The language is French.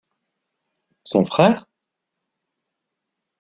Son frère?